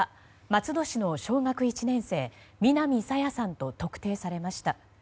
松戸市の小学１年生南朝芽さんと特定されました。